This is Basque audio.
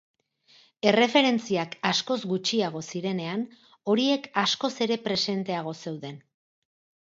Erreferentziak askoz gutxiago zirenean, horiek askoz ere presenteago zeuden.